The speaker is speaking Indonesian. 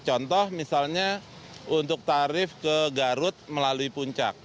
contoh misalnya untuk tarif ke garut melalui puncak